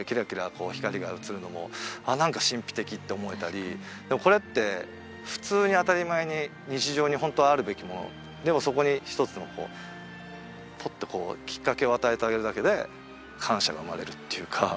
こう光が映るのもああ何か神秘的って思えたりでもこれって普通に当たり前に日常にホントあるべきものでもそこに一つのポッとこうきっかけを与えてあげるだけで感謝が生まれるっていうか